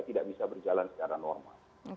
tidak bisa berjalan secara normal